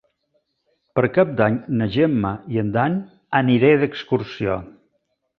Per Cap d'Any na Gemma i en Dan aniré d'excursió.